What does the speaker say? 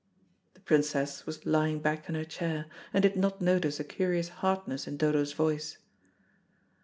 The Princess was lying back in her chair,' and did not notice a curious hardness in Dodo's voice.